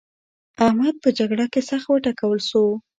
احمد په جګړه کې سخت وټکول شو.